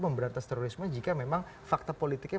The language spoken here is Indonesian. memberantas terorisme jika memang fakta politiknya